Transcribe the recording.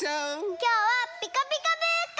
きょうは「ピカピカブ！」から！